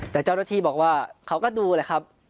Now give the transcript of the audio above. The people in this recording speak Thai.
แต่เจ้าหน้าที่บอกว่าเขาก็ดูแหละครับ